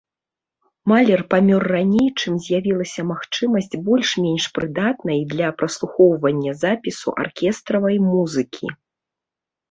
Малер памёр раней, чым з'явілася магчымасць больш-менш прыдатнай для праслухоўвання запісу аркестравай музыкі.